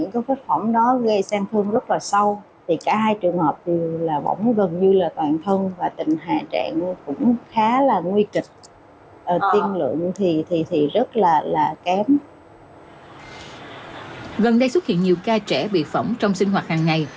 gần đây xuất hiện nhiều ca trẻ bị phỏng trong sinh hoạt hàng ngày